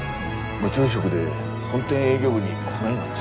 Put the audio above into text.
部長職で本店営業部に来ないがってさ。